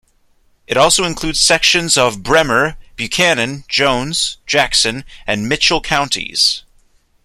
It also includes sections of Bremer, Buchanan, Jones, Jackson, and Mitchell counties.